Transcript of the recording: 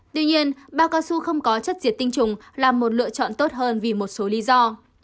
tuy nhiên bao cao su không có chất diệt tinh trùng là một lựa chọn tốt hơn vì một số lý do